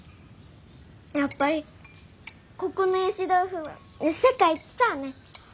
やっぱりここのゆし豆腐は世界一さーね。